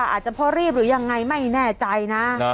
อาจจะเพราะรีบหรือยังไงไม่แน่ใจนะ